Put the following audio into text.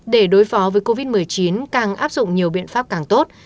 để đối phó với covid một mươi chín càng áp dụng nhiều biện pháp càng tốt